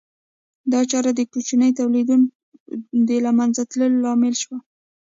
دا چاره د کوچنیو تولیدونکو د له منځه تلو لامل شوه